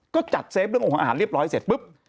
ก็จัดเซฟเรื่องของอาหารเรียบร้อยเสร็จปุ๊บ